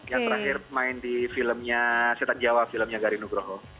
yang terakhir main di filmnya setan jawa filmnya gari nugroho